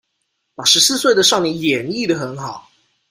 把十四歲的少年演繹的很好